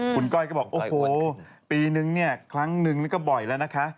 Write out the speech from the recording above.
คุณก้อยก็บอกโอ้โหปีนึงเนี่ยครั้งนึงนี่ก็บ่อยแล้วนะคะ